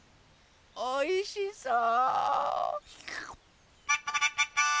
おいしそう！